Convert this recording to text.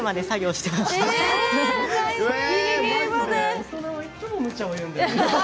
大人はいつもむちゃを言うんだよね。